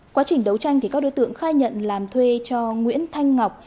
quá trình đấu tranh thì các đối tượng khai nhận làm thuê cho nguyễn thanh ngọc